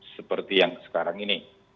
seperti yang sekarang ini